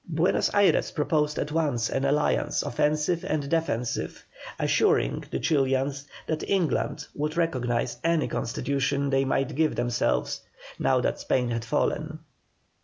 Buenos Ayres proposed at once an alliance offensive and defensive, assuring the Chilians that England would recognise any constitution they might give themselves, now that Spain had fallen.